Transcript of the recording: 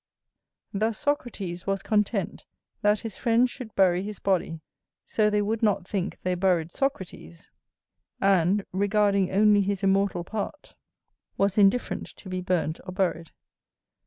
Thus Socrates was content that his friends should bury his body, so they would not think they buried Socrates; and, regarding only his immortal part, was indifferent to be burnt or buried.